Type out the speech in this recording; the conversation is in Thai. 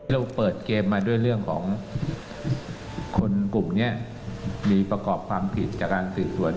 เราเปิดเกมมาด้วยเรื่องของคนกลุ่มนี้มีประกอบความผิดจากการสืบสวน